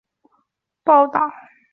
他还从印度东北部报道。